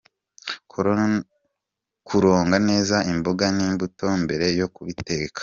Kuronga neza imboga n’imbuto mbere yo kubiteka.